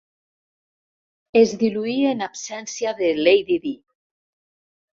Es diluí en absència de Lady Di.